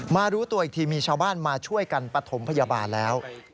รู้ตัวอีกทีมีชาวบ้านมาช่วยกันปฐมพยาบาลแล้ว